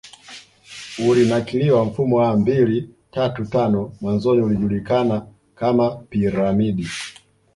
ulinakiliwa Mfumo wa mbili tatu tano mwanzoni ulijulikana kama Piramidi